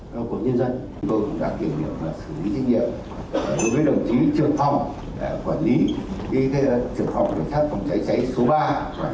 tôi cũng đã kiểm niệm và xử lý trách nhiệm đối với đồng chí trường phòng quản lý trường phòng phòng cháy cháy số ba quản lý khu vực địa bàn quận hồ chí nam tường yên và bắc tường yên hình thức là kiểm trách